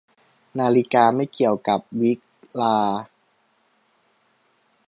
นาฬิกาไม่เกี่ยวกับวิฬาร์